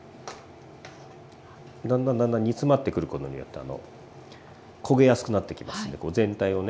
だんだんだんだん煮詰まってくることによって焦げやすくなってきますので全体をね